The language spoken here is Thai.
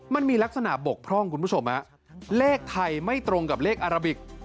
มันมีลักษณะบกพร่องคุณผู้ชมฮะเลขไทยไม่ตรงกับเลขอาราบิก